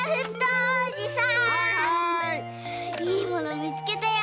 いいものみつけたよ。